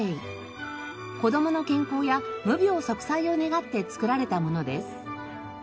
子供の健康や無病息災を願って作られたものです。